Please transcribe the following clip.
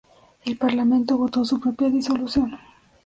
El Parlamento votó su propia disolución.